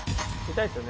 痛いですよね？